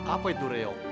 apa itu reok